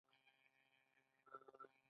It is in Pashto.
ګلونه غوړیږي